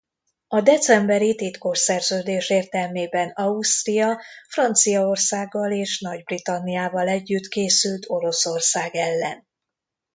A decemberi titkos szerződés értelmében Ausztria Franciaországgal és Nagy-Britanniával együtt készült Oroszország ellen.